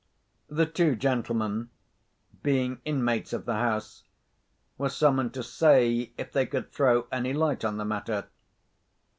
The two gentlemen, being inmates of the house, were summoned to say if they could throw any light on the matter.